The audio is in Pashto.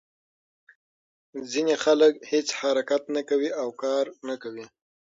ځینې خلک هېڅ حرکت نه کوي او کار نه کوي.